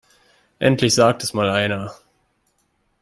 Endlich sagt es mal einer!